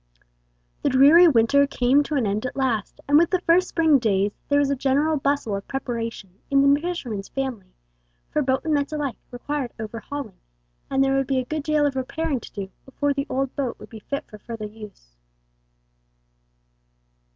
The dreary winter came to an end at last, and with the first spring days there was a general bustle of preparation in the fisherman's family, for boat and nets alike required overhauling, and there would be a good deal of repairing to do before the old boat would be fit for further use.